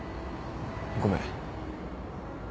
ごめん。